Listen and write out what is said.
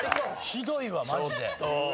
ひどいわマジで。